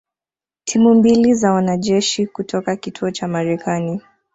timu mbili za wanajeshi kutoka kituo cha Marekani